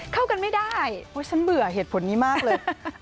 เข้ากันไม่ได้ฉันเบื่อเหตุผลนี้มากเลย